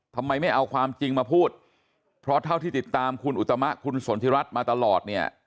ทำไมไม่เอาความจริงมาพูดเพราะเท่าที่ติดตามคุณอุตมะคุณสนทิรัฐมาตลอดเนี่ย